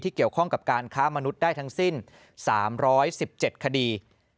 เกี่ยวข้องกับการค้ามนุษย์ได้ทั้งสิ้น๓๑๗คดี